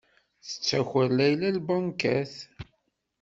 Tettaker Layla lbankat.